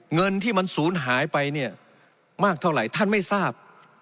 เงินที่มันศูนย์หายไปเนี่ยมากเท่าไหร่ท่านไม่ทราบ